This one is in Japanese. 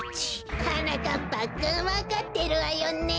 はなかっぱくんわかってるわよね？